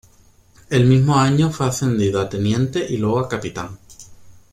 El mismo año, fue ascendido a teniente, y luego a capitán.